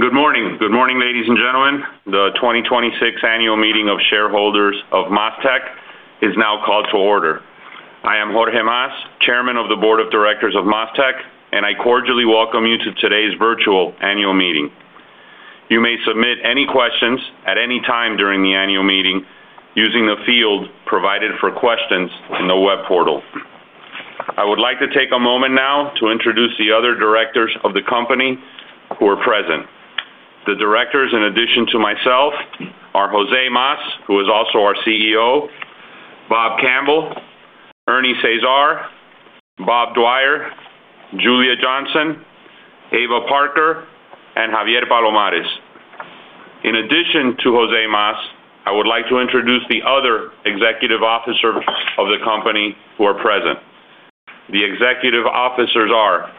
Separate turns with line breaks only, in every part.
Good morning. Good morning, ladies and gentlemen. The 2026 annual meeting of shareholders of MasTec is now called to order. I am Jorge Mas, chairman of the board of directors of MasTec, and I cordially welcome you to today's virtual annual meeting. You may submit any questions at any time during the annual meeting using the field provided for questions in the web portal. I would like to take a moment now to introduce the other directors of the company who are present. The directors, in addition to myself, are Jose Mas, who is also our CEO, Bob Campbell, Ernst Csiszar, Bob Dwyer, Julia Johnson, Ava Parker, and Javier Palomarez. In addition to Jose Mas, I would like to introduce the other executive officers of the company who are present. The executive officers are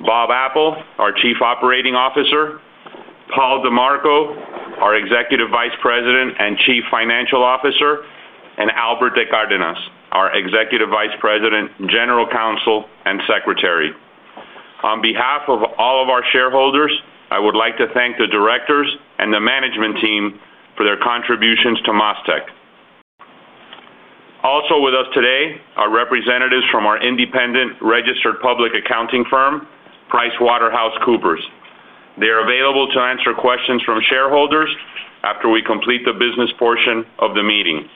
Bob Apple, our Chief Operating Officer, Paul DiMarco, our Executive Vice President and Chief Financial Officer, and Alberto de Cardenas, our Executive Vice President, General Counsel, and Secretary. On behalf of all of our shareholders, I would like to thank the directors and the management team for their contributions to MasTec. Also with us today are representatives from our independent registered public accounting firm, PricewaterhouseCoopers. They are available to answer questions from shareholders after we complete the business portion of the meeting.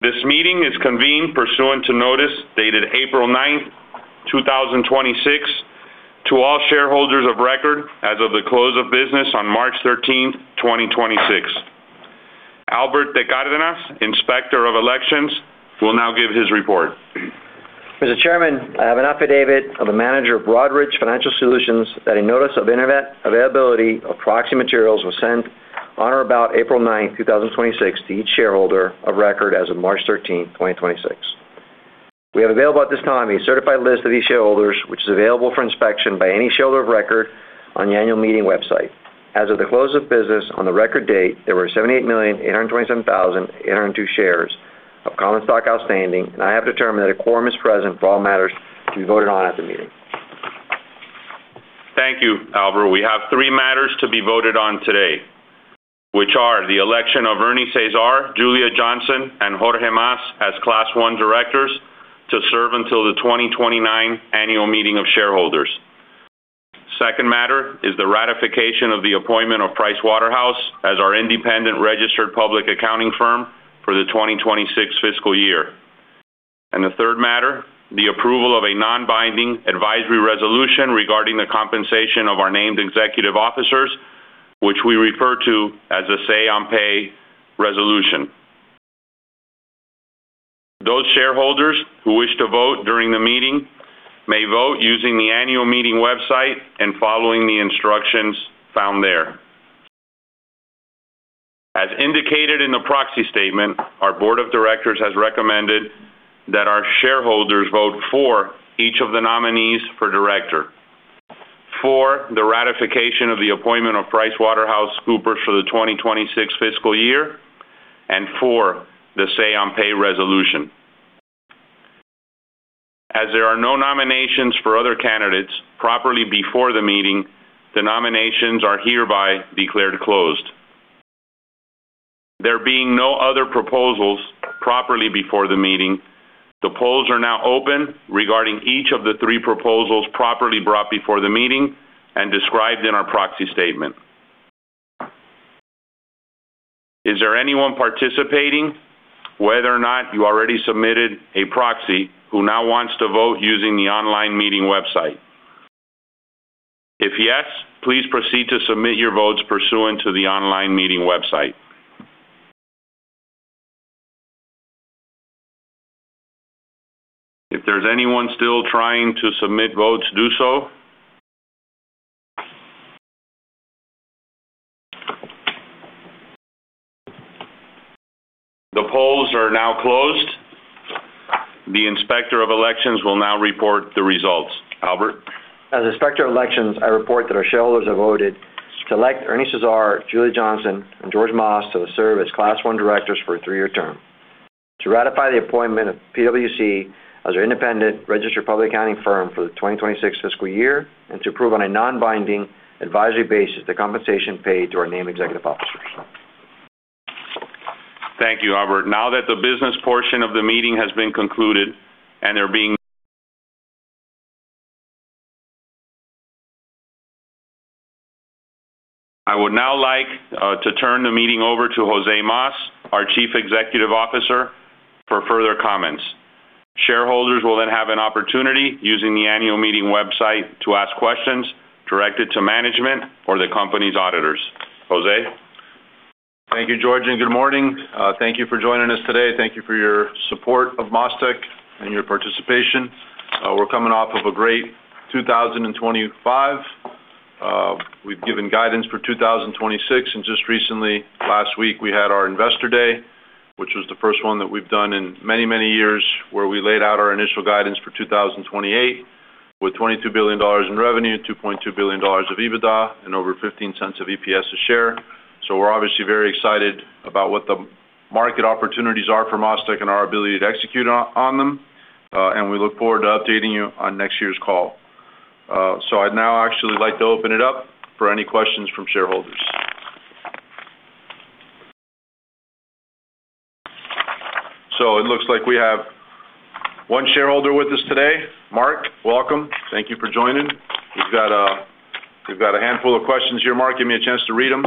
This meeting is convened pursuant to notice dated April 9th, 2026, to all shareholders of record as of the close of business on March 13th, 2026. Alberto de Cardenas, Inspector of Elections, will now give his report.
Mr. Chairman, I have an affidavit of the manager of Broadridge Financial Solutions that a notice of availability of proxy materials was sent on or about April 9th, 2026, to each shareholder of record as of March 13th, 2026. We have available at this time a certified list of these shareholders, which is available for inspection by any shareholder of record on the annual meeting website. As of the close of business on the record date, there were 78,827,802 shares of common stock outstanding, and I have determined that a quorum is present for all matters to be voted on at the meeting.
Thank you, Albert. We have three matters to be voted on today, which are the election of Ernst Csis, Julia Johnson, and Jorge Mas as Class I directors to serve until the 2029 annual meeting of shareholders. Second matter is the ratification of the appointment of Pricewaterhouse as our independent registered public accounting firm for the 2026 fiscal year. The third matter, the approval of a non-binding advisory resolution regarding the compensation of our named executive officers, which we refer to as a say-on-pay resolution. Those shareholders who wish to vote during the meeting may vote using the annual meeting website and following the instructions found there. As indicated in the proxy statement, our board of directors has recommended that our shareholders vote for each of the nominees for director, for the ratification of the appointment of PricewaterhouseCoopers for the 2026 fiscal year, and for the say-on-pay resolution. As there are no nominations for other candidates properly before the meeting, the nominations are hereby declared closed. There being no other proposals properly before the meeting, the polls are now open regarding each of the three proposals properly brought before the meeting and described in our proxy statement. Is there anyone participating, whether or not you already submitted a proxy, who now wants to vote using the online meeting website? If yes, please proceed to submit your votes pursuant to the online meeting website. If there's anyone still trying to submit votes, do so. The polls are now closed. The Inspector of Elections will now report the results. Alberto?
As Inspector of Elections, I report that our shareholders have voted to elect Ernst N. Csiszar, Julia L. Johnson, and Jorge Mas to serve as Class I directors for a three-year term, to ratify the appointment of PwC as our independent registered public accounting firm for the 2026 fiscal year, and to approve on a non-binding advisory basis the compensation paid to our named executive officers.
Thank you, Albert. Now that the business portion of the meeting has been concluded I would now like to turn the meeting over to Jose Mas, our Chief Executive Officer, for further comments. Shareholders will then have an opportunity, using the annual meeting website, to ask questions directed to management or the company's auditors. Jose?
Thank you, Jorge, good morning. Thank you for joining us today. Thank you for your support of MasTec and your participation. We're coming off of a great 2025. We've given guidance for 2026, and just recently, last week, we had our Investor Day, which was the first one that we've done in many, many years, where we laid out our initial guidance for 2028 with $22 billion in revenue, $2.2 billion of EBITDA, and over $0.15 of EPS a share. We're obviously very excited about what the market opportunities are for MasTec and our ability to execute on them. We look forward to updating you on next year's call. I'd now actually like to open it up for any questions from shareholders. It looks like we have one shareholder with us today. Mark, welcome. Thank you for joining. We've got a handful of questions here, Mark. Give me a chance to read them.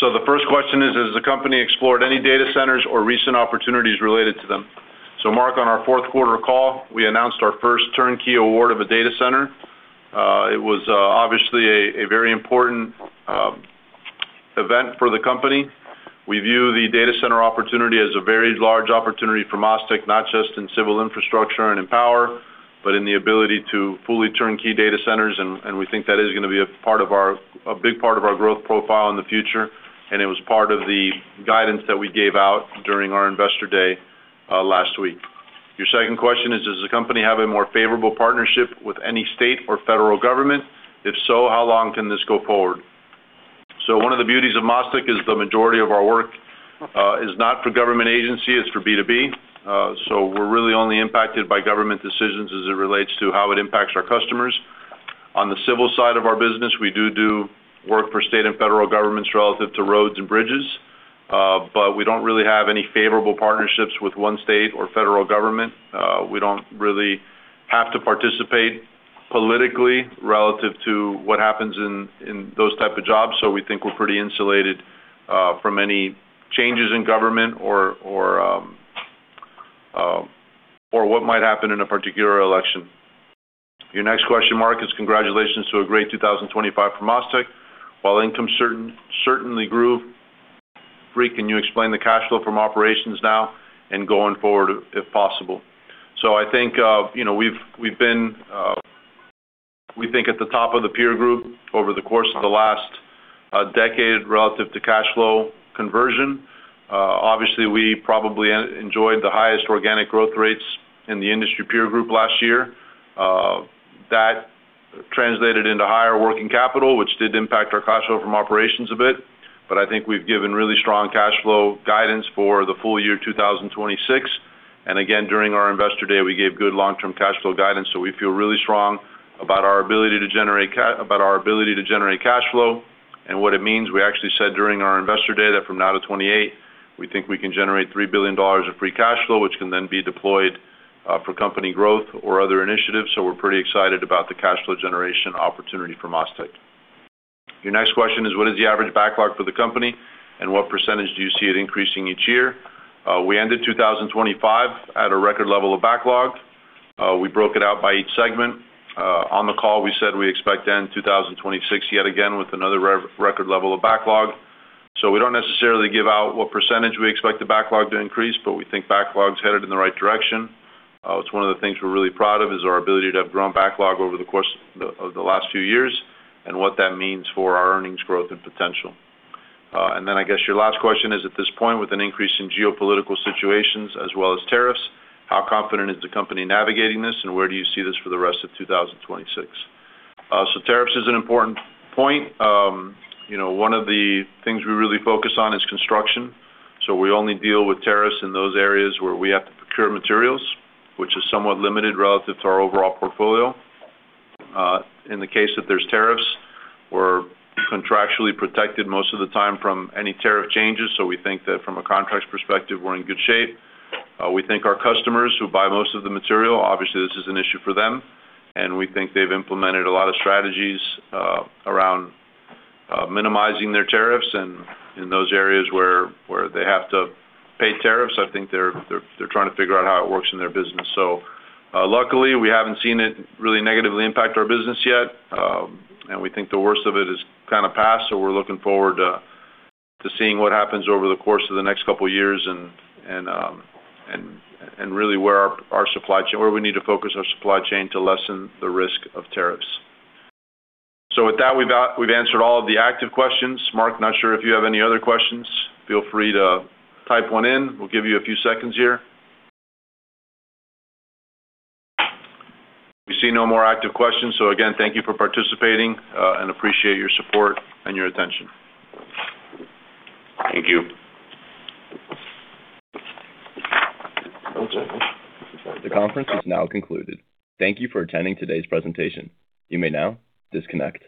The first question is: Has the company explored any data centers or recent opportunities related to them? Mark, on our fourth quarter call, we announced our first turnkey award of a data center. It was obviously a very important event for the company. We view the data center opportunity as a very large opportunity for MasTec, not just in civil infrastructure and in power, but in the ability to fully turnkey data centers, and we think that is going to be a big part of our growth profile in the future. It was part of the guidance that we gave out during our Investor Day last week. Your second question is: Does the company have a more favorable partnership with any state or federal government? If so, how long can this go forward? One of the beauties of MasTec is the majority of our work is not for government agency, it's for B2B. We're really only impacted by government decisions as it relates to how it impacts our customers. On the civil side of our business, we do work for state and federal governments relative to roads and bridges. We don't really have any favorable partnerships with one state or federal government. We don't really have to participate politically relative to what happens in those type of jobs. We think we're pretty insulated from any changes in government or what might happen in a particular election. Your next question, Mark, is: Congratulations to a great 2025 for MasTec. While income certainly grew free, can you explain the cash flow from operations now and going forward, if possible? I think we've been at the top of the peer group over the course of the last decade relative to cash flow conversion. Obviously, we probably enjoyed the highest organic growth rates in the industry peer group last year. That translated into higher working capital, which did impact our cash flow from operations a bit. I think we've given really strong cash flow guidance for the full year 2026. Again, during our Investor Day, we gave good long-term cash flow guidance. We feel really strong about our ability to generate cash flow, and what it means. We actually said during our Investor Day that from now to 2028, we think we can generate $3 billion of free cash flow, which can then be deployed for company growth or other initiatives. We're pretty excited about the cash flow generation opportunity for MasTec. Your next question is: What is the average backlog for the company, and what % do you see it increasing each year? We ended 2025 at a record level of backlog. We broke it out by each segment. On the call, we said we expect to end 2026 yet again with another record level of backlog. We don't necessarily give out what % we expect the backlog to increase, but we think backlog's headed in the right direction. It's one of the things we're really proud of is our ability to have grown backlog over the course of the last few years and what that means for our earnings growth and potential. I guess your last question is: At this point, with an increase in geopolitical situations as well as tariffs, how confident is the company navigating this, and where do you see this for the rest of 2026? Tariffs is an important point. One of the things we really focus on is construction. We only deal with tariffs in those areas where we have to procure materials, which is somewhat limited relative to our overall portfolio. In the case that there's tariffs, we're contractually protected most of the time from any tariff changes. We think that from a contracts perspective, we're in good shape. We think our customers who buy most of the material, obviously, this is an issue for them, and we think they've implemented a lot of strategies around minimizing their tariffs. In those areas where they have to pay tariffs, I think they're trying to figure out how it works in their business. Luckily, we haven't seen it really negatively impact our business yet. We think the worst of it is kind of passed. We're looking forward to seeing what happens over the course of the next couple of years and really where we need to focus our supply chain to lessen the risk of tariffs. With that, we've answered all of the active questions. Mark, not sure if you have any other questions. Feel free to type one in. We'll give you a few seconds here. We see no more active questions. Again, thank you for participating, and appreciate your support and your attention.
Thank you.
The conference is now concluded. Thank you for attending today's presentation. You may now disconnect.